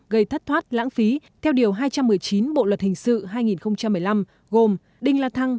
gây thất thoát lãng phí theo điều hai trăm một mươi chín bộ luật hình sự hai nghìn một mươi năm gồm đinh la thăng